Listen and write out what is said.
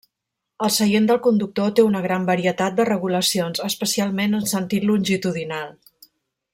El seient del conductor té una gran varietat de regulacions, especialment en sentit longitudinal.